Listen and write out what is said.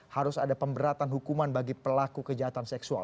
harus ada pemberatan hukuman bagi pelaku kejahatan seksual